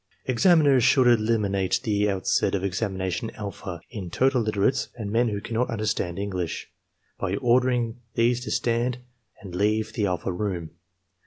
Examiners should eliminate at the outset of examination alpha 62 ARMY MENTAL TESTS all total illiterates and men who cannot understand English, by ordering these to stand and to leave the alpha room.